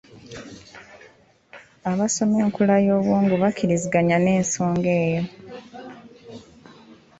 Abasoma enkula y’obwongo bakkiriziganya n’ensonga eyo.